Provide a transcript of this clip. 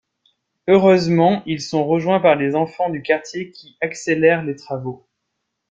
Heureusement, ils sont rejoints par les enfants du quartier qui accélèrent les travaux.